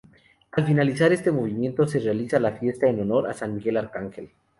Al finalizar este novenario se realiza la fiesta en honor a San Miguel Arcángel.